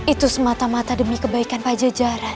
itu semata mata demi kebaikan pajajaran